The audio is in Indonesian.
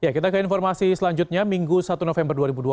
kita ke informasi selanjutnya minggu satu november dua ribu dua puluh